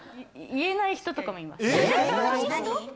言えない人とかいます。